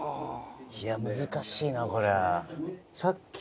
いや難しいなこれ。